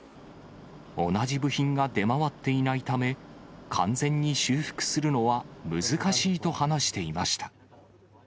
同じ部品が出回っていないため、完全に修復するのは難しいと話していました。